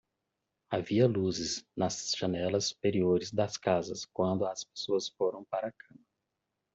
Havia luzes nas janelas superiores das casas quando as pessoas foram para a cama.